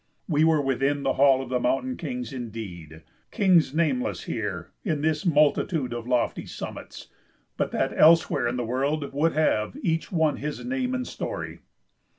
We were within the hall of the mountain kings indeed; kings nameless here, in this multitude of lofty summits, but that elsewhere in the world would have each one his name and story.